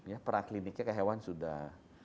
ya prakliniknya ke hewan sudah